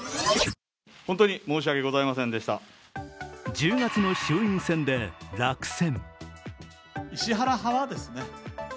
１０月の衆院選で落選。